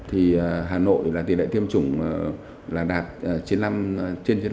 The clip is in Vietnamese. hà nội thì là tỷ lệ tiêm chủng là đạt trên chín mươi năm